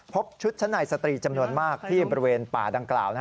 พบชุดชั้นในสตรีจำนวนมากที่บริเวณป่าดังกล่าว